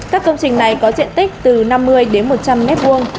các công trình này có diện tích từ năm mươi đến một trăm linh mét vuông